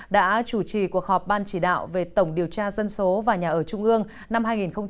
đã chủ trì cuộc họp ban chỉ đạo về tổng điều tra dân số và nhà ở trung ương năm hai nghìn một mươi chín